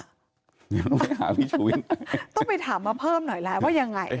ต้องไปถามพี่ชูวิทย์ต้องไปถามมาเพิ่มหน่อยล่ะว่ายังไง